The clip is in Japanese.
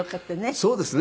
そうですね。